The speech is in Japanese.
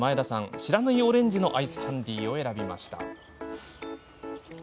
不知火オレンジのアイスキャンディーを選びました。